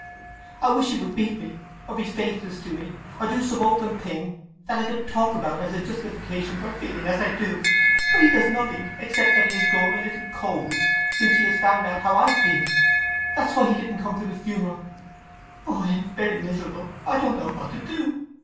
… I wish he would beat me, or be faithless to me, or do some open thing that I could talk about as a justification for feeling as I do! But he does nothing, except that he has grown a little cold since he has found out how I feel. That's why he didn't come to the funeral… Oh, I am very miserable—I don't know what to do!